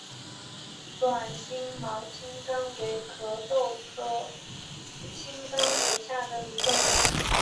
短星毛青冈为壳斗科青冈属下的一个种。